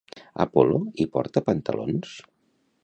Apol·lo hi porta pantalons?